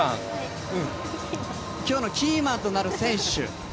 今日のキーマンとなる選手。